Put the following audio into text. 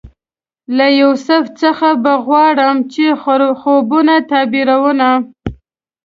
له یوسف څخه به غواړم د خوبونو تعبیرونه